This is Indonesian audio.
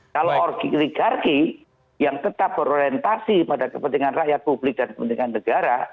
kalau oligarki yang tetap berorientasi pada kepentingan rakyat publik dan kepentingan negara